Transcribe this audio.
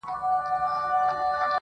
د انتظار خبري ډيري ښې دي.